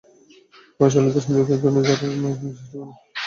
প্রভাবশালী হিন্দুদের মধ্যে যাঁরা সেটা মেনে নিতে পারেননি, তাঁরা ভারতে চলে গেছেন।